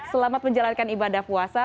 selamat menjalankan ibadah puasa